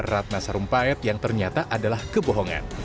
ratna sarumpait yang ternyata adalah kebohongan